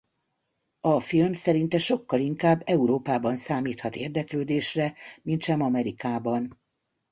A film szerinte sokkal inkább Európában számíthat érdeklődésre mintsem Amerikában.